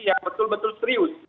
yang betul betul serius